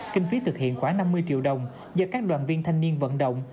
kinh phí thực hiện khoảng năm mươi triệu đồng do các đoàn viên thanh niên vận động